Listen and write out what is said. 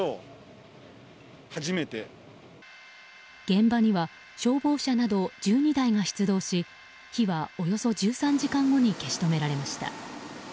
現場には消防車など１２台が出動し火はおよそ１３時間後に消し止められました。